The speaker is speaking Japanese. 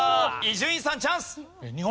伊集院さんチャンス！